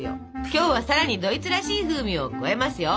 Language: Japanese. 今日はさらにドイツらしい風味を加えますよ！